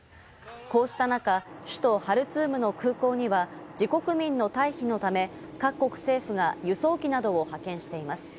こうした中、首都ハルツームの空港には、自国民の退避のため、各国政府が輸送機などを派遣しています。